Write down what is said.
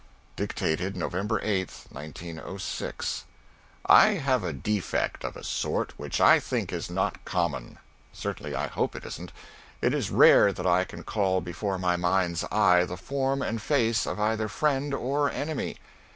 [Dictated, November 8, 1906.] I have a defect of a sort which I think is not common; certainly I hope it isn't: it is rare that I can call before my mind's eye the form and face of either friend or enemy.